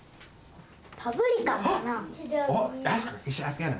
パプリカかな。